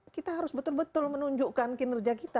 kita harus betul betul menunjukkan kinerja kita